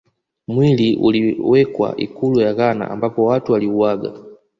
Mwili uliwekwa ikulu ya Ghana ambapo Watu waliuaga